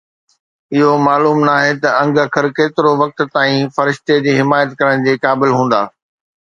اهو معلوم ناهي ته انگ اکر ڪيترو وقت تائين فرشتي جي حمايت ڪرڻ جي قابل هوندا.